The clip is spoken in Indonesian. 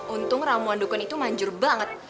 untung ramuan dukun itu manjur banget